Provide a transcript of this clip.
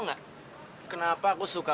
enggak tanpa tangan